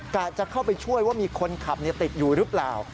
จะเข้าไปช่วยว่ามีคนขับติดอยู่หรือเปล่า